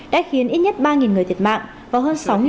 đã khiến ít nhất ba người thiệt mạng